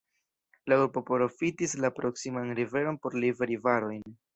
La urbo profitis la proksiman riveron por liveri varojn.